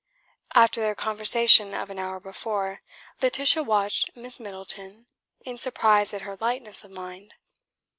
After their conversation of an hour before, Laetitia watched Miss Middleton in surprise at her lightness of mind.